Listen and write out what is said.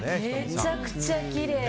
めちゃくちゃきれい！